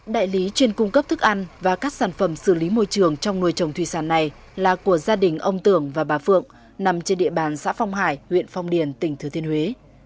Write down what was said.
đại lý chuyên cung cấp thức ăn và các sản phẩm xử lý môi trường trong nuôi trồng thủy sản này là của gia đình ông tưởng và bà phượng nằm trên địa bàn xã phong hải huyện phong điền tỉnh thừa thiên huế